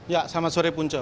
ya selamat sore punca